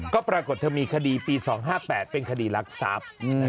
ก็ปรากฏเธอมีคดีปี๒๕๘เป็นคดีรักทรัพย์